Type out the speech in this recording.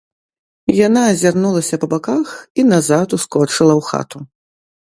Яна азірнулася па баках і назад ускочыла ў хату.